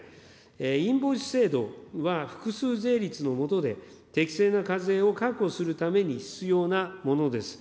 インボイス制度は、複数税率の下で、適正な課税を確保するために必要なものです。